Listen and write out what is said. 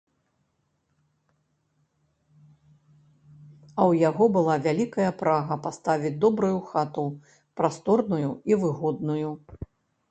А ў яго была вялікая прага паставіць добрую хату, прасторную і выгодную.